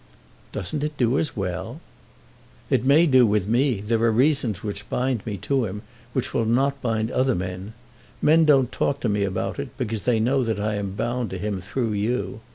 "Doesn't it do as well?" "It may do with me. There are reasons which bind me to him, which will not bind other men. Men don't talk to me about it, because they know that I am bound to him through you.